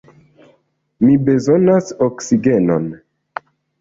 Mi bezonas oksigenon.